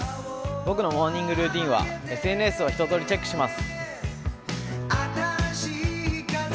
僕のモーニングルーティンはＳＮＳを一とおりチェックします。